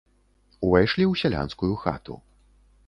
Увайшлі ў сялянскую хату.